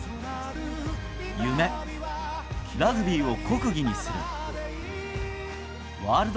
夢、ラグビーを国技にする。